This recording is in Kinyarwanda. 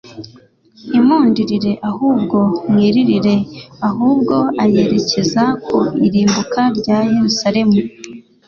ntimundirire ahubwo mwiririre ahubwo ayerekeza ku irimbuka rya Yerusalemu.